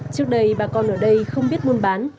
trước đây bà con ở đây không biết muôn bán